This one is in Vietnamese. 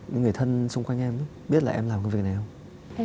những người thân xung quanh em biết là em làm công việc này không